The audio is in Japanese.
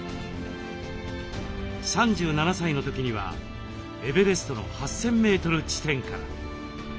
３７歳の時にはエベレストの８，０００メートル地点から。